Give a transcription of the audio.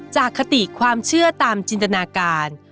คติความเชื่อตามจินตนาการ